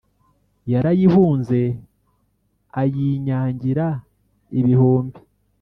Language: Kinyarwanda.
yarayihunze ayinyagira ibihumbi